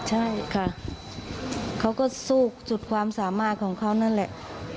ใช่ค่ะเขาก็สู้สุดความสามารถของเขานั่นแหละ